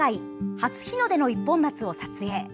初日の出の一本松を撮影。